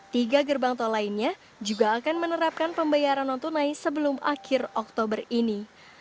tiga gerbang tol lainnya juga akan menerapkan pembayaran non tunai sebelum akhir oktober ini